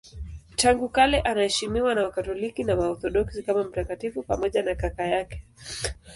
Tangu kale anaheshimiwa na Wakatoliki na Waorthodoksi kama mtakatifu pamoja na kaka yake.